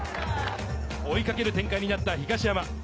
追いかける展開になった東山。